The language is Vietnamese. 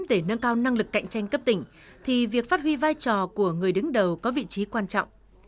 để nâng cao năng lực cạnh tranh cấp tỉnh thì việc phát huy vai trò của người đứng đầu có vị trí quan trọng